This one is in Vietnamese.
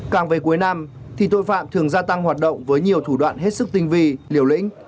càng về cuối năm thì tội phạm thường gia tăng hoạt động với nhiều thủ đoạn hết sức tinh vi liều lĩnh